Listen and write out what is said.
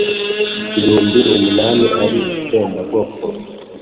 ibihumbi umunani ari itsembabwoko (génocide).